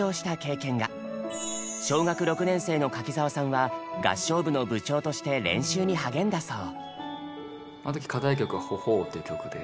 小学６年生の柿澤さんは合唱部の部長として練習に励んだそう。